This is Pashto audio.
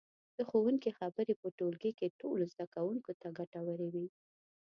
د ښوونکي خبرې په ټولګي کې ټولو زده کوونکو ته ګټورې وي.